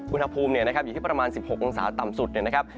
อุณหภูมิอยู่ที่ประมาณ๑๖องศาต่ำสุดนะครับ